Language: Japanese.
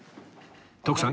徳さん